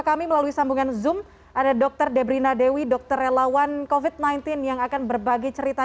halo dr debri ini lagi di mana di rumah